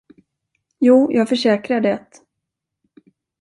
Jo, jag försäkrar det.